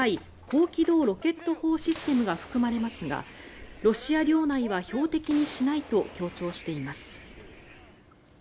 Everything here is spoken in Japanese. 高機動ロケット砲システムが含まれますがロシア領内は標的にしないと強調しています。